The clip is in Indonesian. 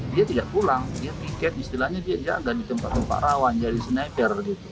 dia tidak pulang dia tiket istilahnya dia jaga di tempat tempat rawan jadi sniper gitu